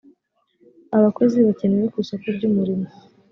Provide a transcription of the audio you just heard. abakozi bakenewe ku isoko ry umurimo